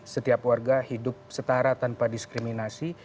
setiap warga hidup setara tanpa diskriminasi